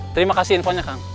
terima kasih infonya kang